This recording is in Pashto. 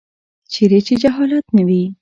چیرې چې جهالت نه وي.